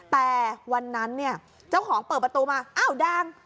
แต่วันนั้นเนี่ยเจ้าของเปิดประตูมาอ้าวแดง